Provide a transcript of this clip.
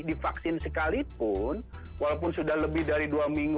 divaksin sekalipun walaupun sudah lebih dari dua minggu